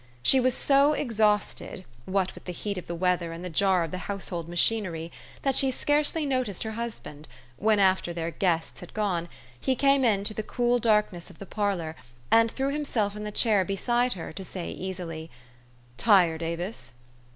She was so exhausted, what with the heat of the weather and the jar of the household machinery, that she scarcely noticed her husband, when, after their guests had gone, he came in to the cool darkness of the parlor, and threw himself in the chair beside her to say easily, "Tired, Avis?"